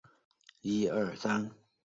我想说还有时间